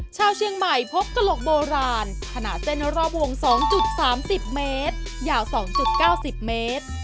ชาวเชียงใหม่พบกระโหลกโบราณขนาดเส้นรอบวง๒๓๐เมตรยาว๒๙๐เมตร